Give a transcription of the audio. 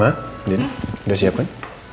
ayo ma din udah siap kan